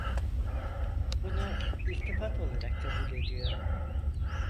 Bunu iltifat olarak kabul ediyorum.